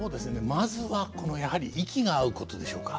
まずはやはり息が合うことでしょうか。